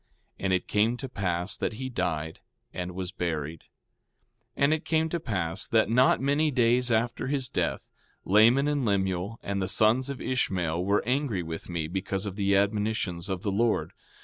And it came to pass that he died, and was buried. 4:13 And it came to pass that not many days after his death, Laman and Lemuel and the sons of Ishmael were angry with me because of the admonitions of the Lord.